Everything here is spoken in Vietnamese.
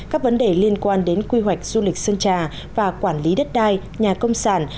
các vấn đề liên quan đến quy hoạch du lịch sơn trà và quản lý đất đai nhà công sản